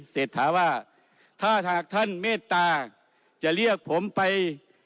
เศรษฐาว่าถ้าหากท่านเมตตาจะเรียกผมไป